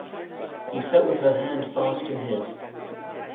He sat with her hand fast in his.